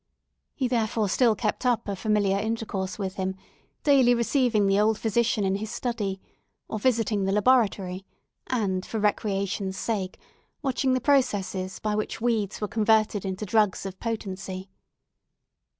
He therefore still kept up a familiar intercourse with him, daily receiving the old physician in his study, or visiting the laboratory, and, for recreation's sake, watching the processes by which weeds were converted into drugs of potency.